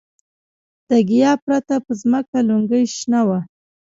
د ګیاه پرته په ځمکه لونګۍ شنه وه.